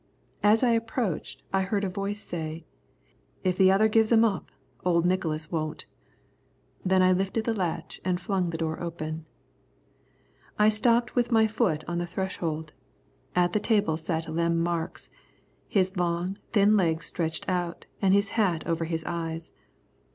As I approached, I heard a voice say, "If the other gives 'em up, old Nicholas won't." Then I lifted the latch and flung the door open. I stopped with my foot on the threshold. At the table sat Lem Marks, his long, thin legs stretched out, and his hat over his eyes.